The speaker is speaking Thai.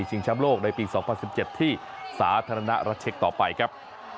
แชมป์โลกในปี๒๐๑๗ที่สาธารณรัฐเช็คต่อไปครับ